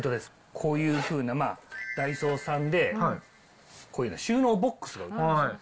こういうふうな、ダイソーさんで、こういうの、収納ボックスが売ってるんですよ。